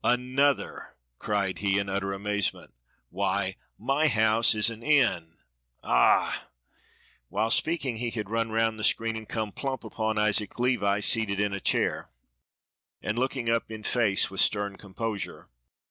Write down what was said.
"Another!" cried he in utter amazement; "why my house is an inn. Ah!" While speaking he had run round the screen and come plump upon Isaac Levi seated in a chair and looking up in his face with stern composure.